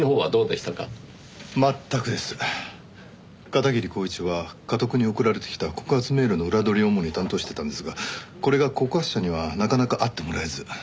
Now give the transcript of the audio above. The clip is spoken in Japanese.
片桐晃一はかとくに送られてきた告発メールの裏取りを主に担当していたんですがこれが告発者にはなかなか会ってもらえず。